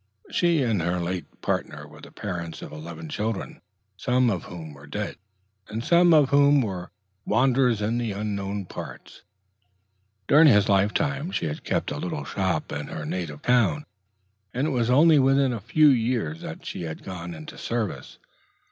She and her late partner were the parents of eleven children, some of whom were dead, and some of whom were wanderers in unknown parts. During his life time she had kept a little shop in her native town; and it was only within a few years that she had gone into service.